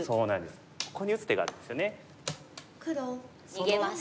逃げます。